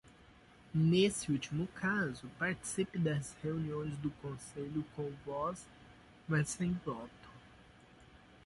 Neste último caso, participe das reuniões do Conselho com voz, mas sem voto.